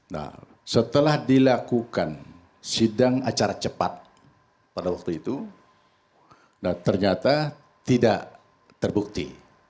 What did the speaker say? nah setelah dilakukan sidang acara cepat pada waktu itu ternyata tidak terbukti